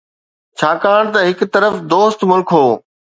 ڇاڪاڻ ته هڪ طرف دوست ملڪ هو.